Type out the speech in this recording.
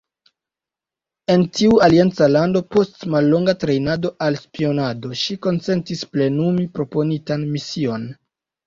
En tiu alianca lando, post mallonga trejnado al spionado, ŝi konsentis plenumi proponitan mision.